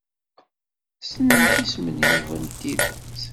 Ssnent isem n Yuba n tidet?